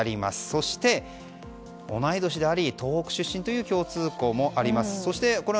そして、同い年であり東北出身という共通項もあります。